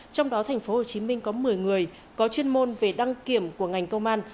trong đó thành phố hồ chí minh có một mươi người có chuyên môn về đăng kiểm của ngành công an